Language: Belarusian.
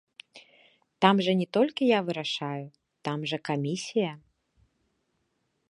Там жа не толькі я вырашаю, там жа камісія.